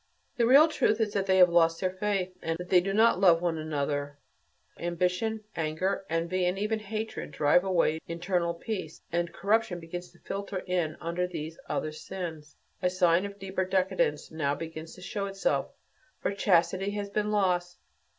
The real truth is that they have lost their faith, and that they do not love one another; ambition, anger, envy and even hatred, drive away internal peace; and corruption begins to filter in under these other sins; a sign of a deeper decadence now begins to show itself, for chastity has been lost.